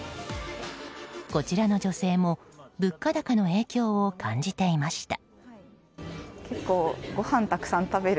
こちらの女性も物価高の影響を感じていました。